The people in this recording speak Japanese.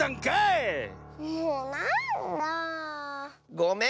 ごめん！